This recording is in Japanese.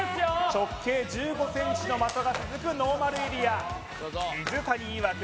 直径１５ｃｍの的が続くノーマルエリア水谷いわく